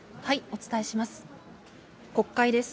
お伝えします。